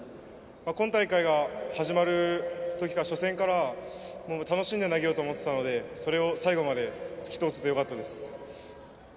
今大会が始まる時から初戦から楽しんで投げようと思っていたのでそれを最後まで突き通せてよかったです。